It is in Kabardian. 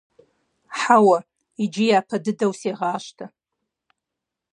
– Хьэуэ, иджы япэ дыдэу сегъащтэ.